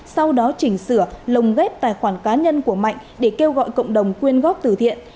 sau đó chỉnh sửa lồng ghép tài khoản cá nhân của mạnh để kêu gọi cộng đồng quyên góp từ thiện